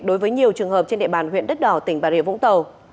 đối với nhiều trường hợp trên địa bàn huyện đất đỏ tỉnh bà rịa vũng tàu